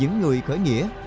hàng ngàn người khởi nghĩa